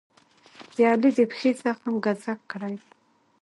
د علي د پښې زخم ګذک کړی دی.